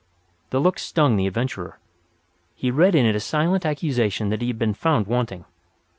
The look stung the adventurer. He read in it a silent accusation that he had been found wanting.